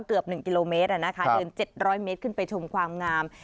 เกือบ๑กิโลเมตรเดิน๗๐๐เมตรขึ้นไปชมความงาม